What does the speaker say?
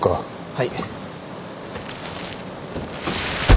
はい。